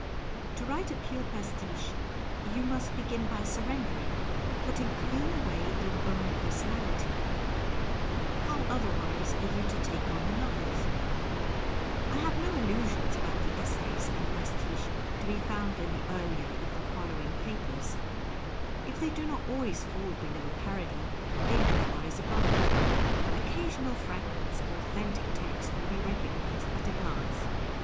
To write a pure pastiche you must begin by surrendering, putting clean away your own personality — how otherwise are you to take on another's ? I have no illusions about the essays in pastiche to be found in the earlier of the following papers. If they do not always fall below jiarody, they never rise above it. Occasional fragments of authentic text will be recognized at a glance.